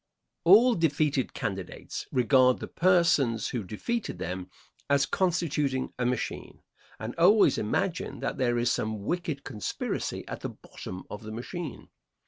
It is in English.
All defeated candidates regard the persons who defeated them as constituting a machine, and always imagine that there is some wicked conspiracy at the bottom of the machine.